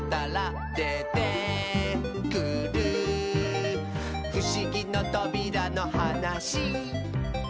「でてくるふしぎのとびらのはなし」